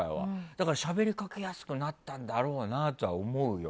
だから、しゃべりかけやすくなったんだろうなとは思うよ。